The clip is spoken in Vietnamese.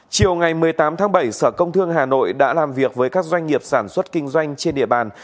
chiều ngày một mươi tám tháng bảy sở công thương hà nội đã làm việc với các doanh nghiệp sản xuất kinh doanh trên địa bàn